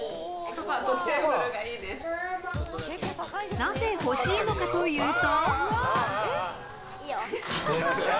なぜ欲しいのかというと。